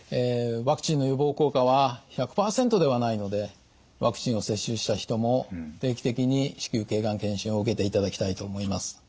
ワクチンの予防効果は１００％ではないのでワクチンを接種した人も定期的に子宮頸がん検診を受けていただきたいと思います。